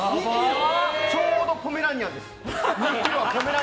ちょうどポメラニアンです。